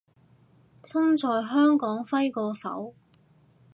身在香港揮個手